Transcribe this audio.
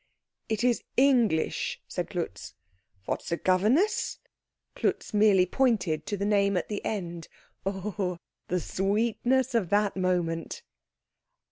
"It is English," said Klutz. "What, the governess ?" Klutz merely pointed to the name at the end. Oh, the sweetness of that moment!